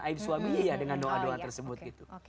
aib suaminya ya dengan doa doa tersebut gitu